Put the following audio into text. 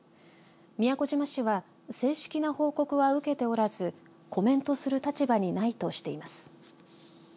宮古島市は正式な報告は受けておらずコメントする立場にないとしています。